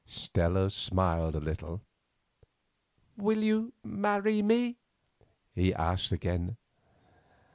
Stella smiled a little. "Will you marry me?" he asked again.